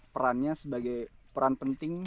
perannya sebagai peran penting